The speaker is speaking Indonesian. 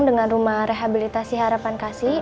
dengan rumah rehabilitasi harapan kasih